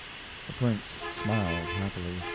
The Prince smiled happily.